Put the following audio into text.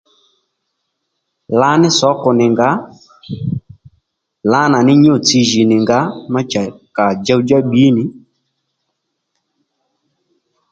Lǎní sǒkò nì ngǎ lǎnà ní nyǔ-tsi jì nì ngǎ cha à kà djow-djá bbǐ nì